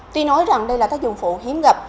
tuy nói rằng đây là tác dụng phổ hiếm ngập